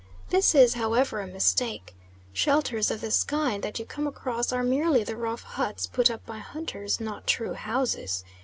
This is, however, a mistake. Shelters of this kind that you come across are merely the rough huts put up by hunters, not true houses.